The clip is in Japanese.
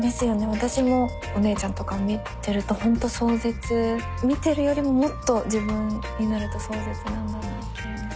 私もお姉ちゃんとか見てるとほんと壮絶見てるよりももっと自分になると壮絶なんだなっていうの。